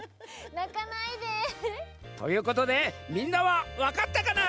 なかないで。ということでみんなはわかったかな？